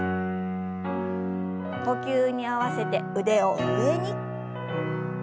呼吸に合わせて腕を上に。